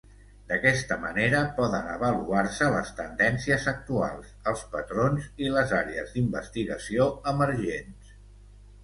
D'aquesta manera, poden avaluar-se les tendències actuals, els patrons i les àrees d'investigació emergents.